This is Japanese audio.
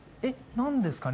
何ですかね。